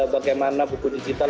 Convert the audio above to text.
bagaimana buku digital